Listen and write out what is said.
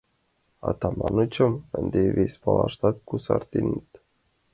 Атаманычым ынде вес палатыш кусареныт.